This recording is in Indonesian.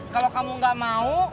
kalau kamu gak mau